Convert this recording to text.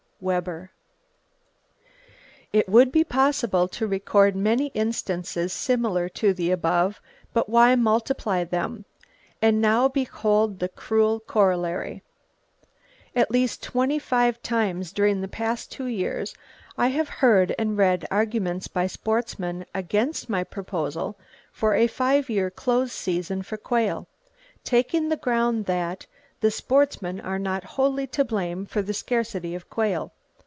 Webber). It would be possible to record many instances similar to the above, but why multiply them? And now behold the cruel corollary: At least twenty five times during the past two years I have heard and read arguments by sportsmen against my proposal for a 5 year close season for quail, taking the ground that "The sportsmen are not wholly to blame for the scarcity of quail.